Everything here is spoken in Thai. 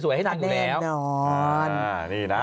สวยให้นานอยู่แล้ว